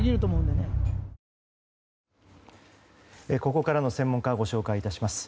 ここからの専門家をご紹介します。